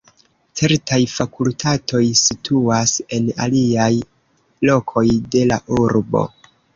Certaj fakultatoj situas en aliaj lokoj de la urbo.